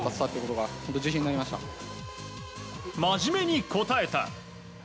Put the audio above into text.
真面目に答えた。